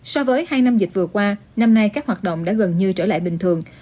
so với hai năm dịch vừa qua năm nay các hoạt động đã gần như trở lại bình thường